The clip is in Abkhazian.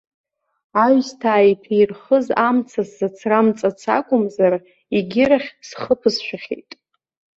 Аҩсҭаа иҭәа ирхыз амца сзацрамҵац акәымзар, егьырахь схы ԥысшәахьеит!